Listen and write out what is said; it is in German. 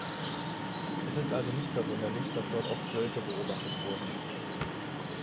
Es ist also nicht verwunderlich, dass dort oft Wölfe beobachtet wurden.